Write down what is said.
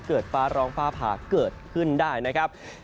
ฟ้าร้องฟ้าผ่าเกิดขึ้นได้นะครับ